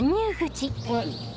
はい。